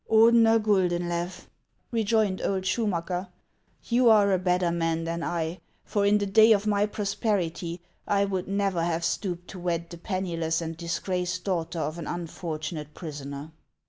" Ordener Guldenlew," rejoined old Schumacker, " you are a better man than I , for in the day of my prosperity I would never have stooped to wed the penniless and disgraced daughter of an unfortunate prisoner."